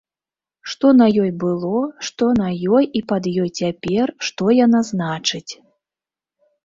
Што на ёй было, што на ёй і пад ёй цяпер, што яна значыць.